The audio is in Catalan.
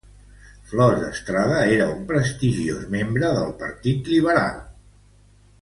Flores Estrada era un prestigiós membre del partit liberal.